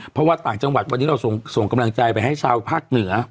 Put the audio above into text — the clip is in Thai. เพราะว่าต่างจังหวัดวันนี้เราส่งกำลังใจไปให้ชาวภาคเหนือ